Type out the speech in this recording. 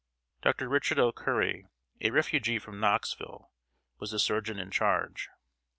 Dr. Richard O. Currey, a refugee from Knoxville, was the surgeon in charge.